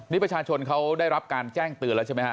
นี่ประชาชนเขาได้รับการแจ้งเตือนแล้วใช่ไหมฮ